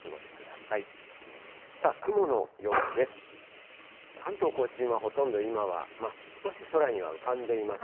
さあ、雲の様子です。